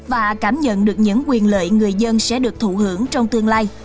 và cảm nhận được những quyền lợi người dân sẽ được thụ hưởng trong tương lai